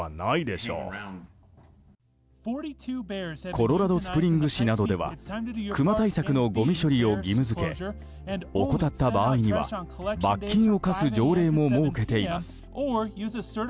コロラドスプリングズ市などではクマ対策のごみ処理を義務付け怠った場合には罰金を科す条例も設けています。